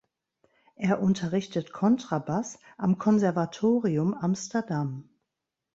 Er unterrichtet Kontrabass am Konservatorium Amsterdam.